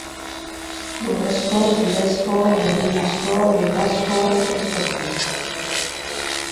Lurrezko, zurezko, burdinazko, beirazko, urrezko ontziak.